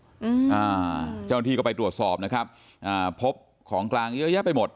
อืมอ่าเจ้าหน้าที่ก็ไปตรวจสอบนะครับอ่าพบของกลางเยอะแยะไปหมด